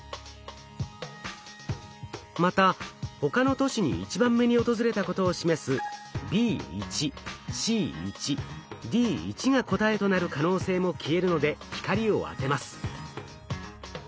また他の都市に１番目に訪れたことを示すＢ１Ｃ１Ｄ１が答えとなる可能性も消えるので光を当てます。